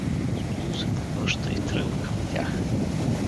Стоил се повръща и тръгва към тях.